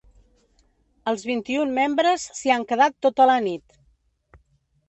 Els vint-i-un membres s’hi han quedat tota la nit.